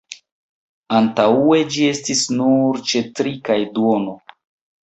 Antaŭe ĝi estis nur ĉe tri kaj duono.